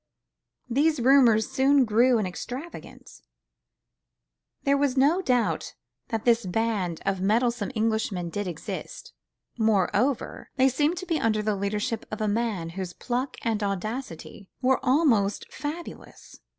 These rumours soon grew in extravagance; there was no doubt that this band of meddlesome Englishmen did exist; moreover, they seemed to be under the leadership of a man whose pluck and audacity were almost fabulous.